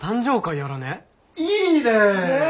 いいねえ！